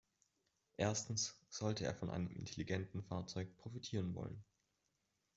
Erstens sollte er von einem intelligenten Fahrzeug profitieren wollen.